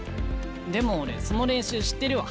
でも俺その練習知ってるわ。